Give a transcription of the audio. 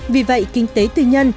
vì vậy kinh tế tư nhân